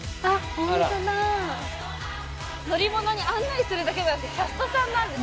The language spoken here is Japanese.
ホントだ乗り物に案内するだけじゃなくてキャストさんなんですね